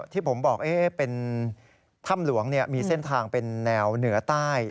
ที่ผมบอกเป็นถ้ำหลวงมีเส้นทางเป็นแนวเหนือใต้